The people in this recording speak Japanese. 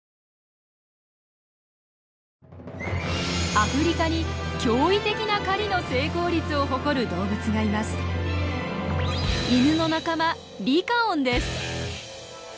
アフリカに驚異的な狩りの成功率を誇る動物がいます。